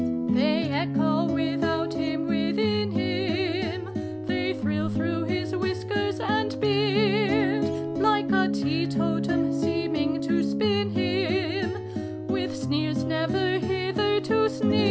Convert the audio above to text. They echo without him, wit ft in him : They thrill through his whiskers and beard: Like a teetotum seeming to spin him, With sneers never hitherto sneered.